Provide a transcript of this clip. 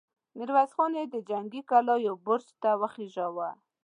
ميرويس خان يې د جنګي کلا يوه برج ته وخېژاوه!